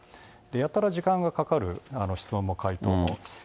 やたら時間がかかる、質問も回答も。